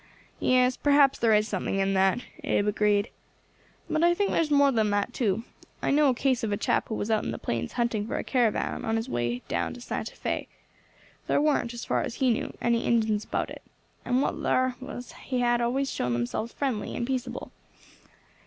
"Yes, perhaps there's something in that," Abe agreed. "But I think there's more than that too. I know a case of a chap who was out in the plains hunting for a caravan on its way down to Santa Fé. There weren't, as far as he knew, any Injins about, and what thar was had always shown themselves friendly and peaceable.